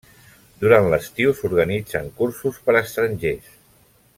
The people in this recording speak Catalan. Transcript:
Durant l'estiu s'organitzen cursos per a estrangers.